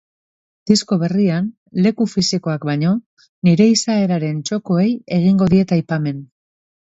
Disko berrian, leku fisikoak baino, nire izaeraren txokoei egingo diet aipamena.